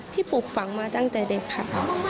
ปลูกฝังมาตั้งแต่เด็กค่ะ